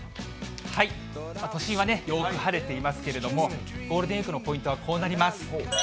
都心はよく晴れていますけれども、ゴールデンウィークのポイントはこうなります。